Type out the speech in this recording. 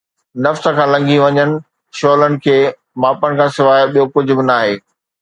نفس کان لنگهي وڃڻ، شعلن کي ماپڻ کان سواءِ ٻيو ڪجهه به ناهي